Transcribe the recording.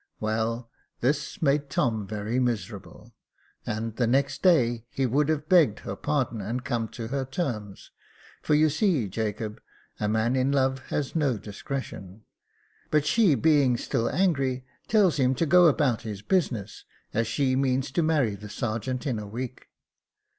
Well, this made Tom very miserable, and the next day he would have begged her pardon, and come to her terms, for you see, Jacob, a man in love has no discretion ; but she being still angry, tells him to go about his business, as she means to marry the sergeant in a week.